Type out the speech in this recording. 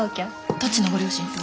どっちのご両親と？